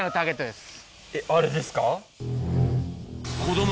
あれですか？